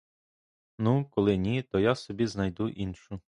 Ну, коли ні, то я собі знайду іншу.